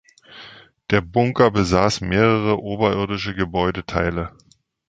Der Bunker besaß mehrere oberirdische Gebäudeteile.